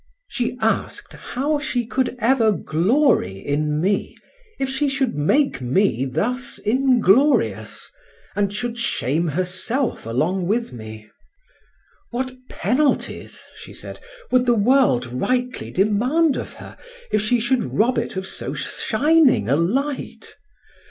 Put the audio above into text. She asked how she could ever glory in me if she should make me thus inglorious, and should shame herself along with me. What penalties, she said, would the world rightly demand of her if she should rob it of so shining a light!